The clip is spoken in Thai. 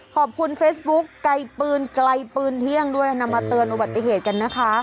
ขอบคุณเฟซบุ๊กไกลปืนไกลปืนเที่ยงด้วยนำมาเตือนอุบัติเหตุกันนะคะ